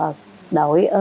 đổi ơn trời phật